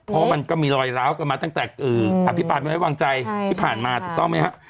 เพราะว่ามันก็มีรอยล้าวกันมาตั้งแต่อภิปรายไม่ไว้วางใจที่ผ่านมาถูกต้องไหมครับ